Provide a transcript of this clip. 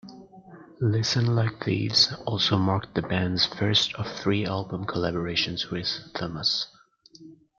"Listen Like Thieves" also marked the band's first of three album collaborations with Thomas.